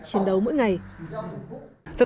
chiến đấu cơ phản lực